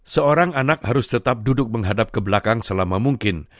seorang anak harus tetap duduk menghadap ke belakang selama mungkin